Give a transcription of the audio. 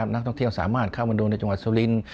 นักท่องเที่ยวสามารถเข้ามาดูในจังหวัดสุรินทร์